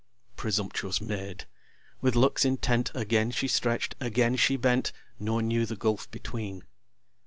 Presumptuous Maid! with looks intent Again she stretch'd, again she bent, Nor knew the gulf between.